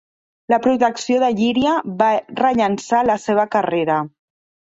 La protecció de Llíria va rellançar la seva carrera.